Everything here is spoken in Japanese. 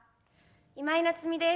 今井菜津美です。